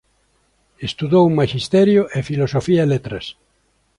Estudou Maxisterio e Filosofía e Letras.